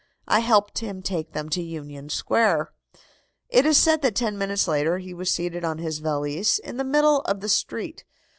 I helped him take them to Union Square." It is said that ten minutes later he was seen seated on his valise in the middle of the street.